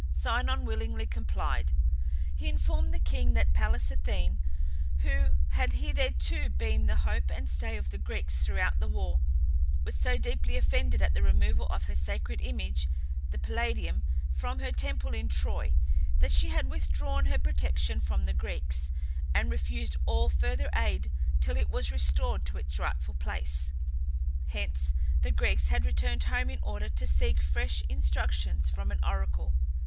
Sinon willingly complied. He informed the king that Pallas Athene, who had hitherto been the hope and stay of the Greeks throughout the war, was so deeply offended at the removal of her sacred image, the Palladium, from her temple in Troy, that she had withdrawn her protection from the Greeks, and refused all further aid till it was restored to its rightful place. Hence the Greeks had returned home in order to seek fresh instructions from an oracle.